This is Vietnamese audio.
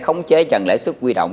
khống chế trần lãi suất quy động